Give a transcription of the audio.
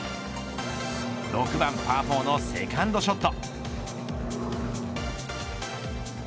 ６番パー４のセカンドショット。